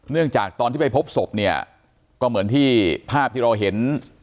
จากตอนที่ไปพบศพเนี่ยก็เหมือนที่ภาพที่เราเห็น